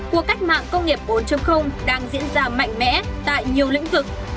cuộc cách mạng công nghiệp bốn đang diễn ra mạnh mẽ tại nhiều lĩnh vực